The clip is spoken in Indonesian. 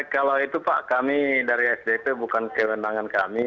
kalau itu pak kami dari sdp bukan kewenangan kami